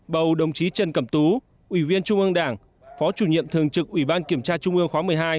bầu đồng chí trần cẩm tú ủy viên trung ương đảng phó chủ nhiệm thường trực ủy ban kiểm tra trung ương khóa một mươi hai